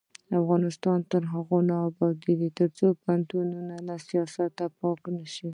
افغانستان تر هغو نه ابادیږي، ترڅو پوهنتونونه له سیاست پاک نشي.